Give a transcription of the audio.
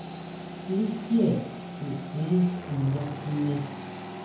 ¿Likie Chuʼsén inchakjine?